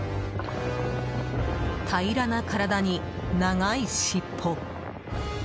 平らな体に長い尻尾。